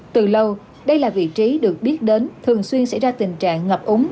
từ lâu đây là vị trí được biết đến thường xuyên xảy ra tình trạng ngập úng